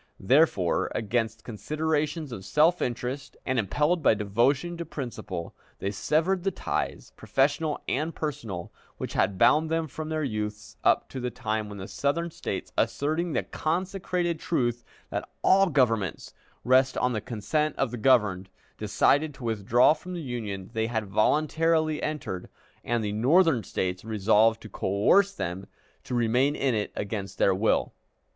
Therefore, against considerations of self interest, and impelled by devotion to principle, they severed the ties, professional and personal, which had bound them from their youth up to the time when the Southern States, asserting the consecrated truth that all governments rest on the consent of the governed, decided to withdraw from the Union they had voluntarily entered, and the Northern States resolved to coerce them to remain in it against their will.